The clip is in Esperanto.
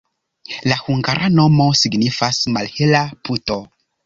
La hungara nomo signifas: malhela puto.